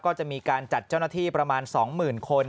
ก็จะมีการจัดเจ้าหน้าที่ประมาณ๒๐๐๐คน